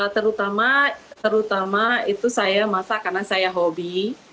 terutama terutama itu saya masak karena saya hobi